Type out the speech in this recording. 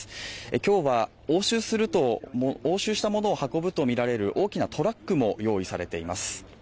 今日は押収したものを運ぶとみられる大きなトラックも用意されています